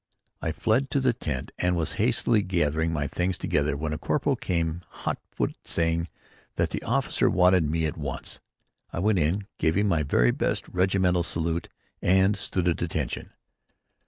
I fled to the tent and was hastily getting my things together when a corporal came hot foot saying that the officer wanted me at once. I went in, gave him my very best regimental salute and stood at attention.